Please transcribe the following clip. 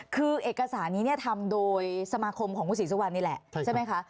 คือเอกสารนี้ทำโดยสมาคมของคุณศรีสุวรรณนี่แหละใช่ไหมคะ